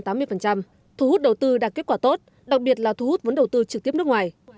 thú hút đầu tư đạt kết quả tốt đặc biệt là thú hút vấn đầu tư trực tiếp nước ngoài